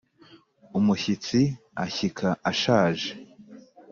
umushyitsi ashyika ashaje